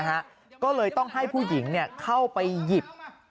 ไปให้ผู้หญิงเข้าไปหยิบ